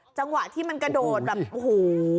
จังหวะที่มันกระโดดแบบโอ้โห